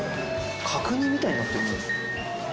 角煮みたいになってる。